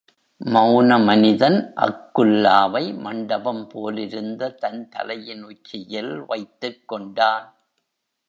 மெளன மனிதன் அக்குல்லாவை மண்டபம் போலிருந்த தன் தலையின் உச்சியில் வைத்துக் கொண்டான்.